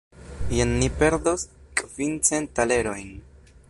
Jen ni perdos kvincent talerojn.